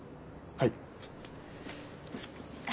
はい。